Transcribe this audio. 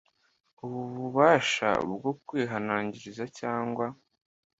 Ubwo bubasha bwo kwihanangiriza cyangwa